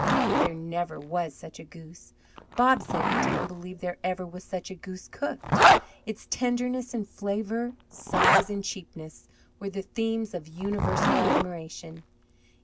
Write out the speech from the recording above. There never was such a goose. Bob said he didn't believe there ever was such a goose cooked. Its tenderness and flavour, size and cheapness, were the themes of universal admiration.